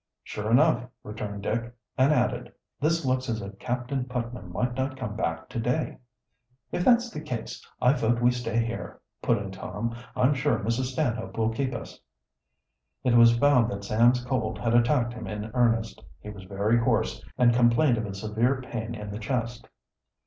"Sure enough," returned Dick, and added: "This looks as if Captain Putnam might not come back to day," "If that's the case, I vote we stay here," put in Tom. "I'm sure Mrs. Stanhope will keep us." It was found that Sam's cold had attacked him in earnest. He was very hoarse, and complained of a severe pain in the chest.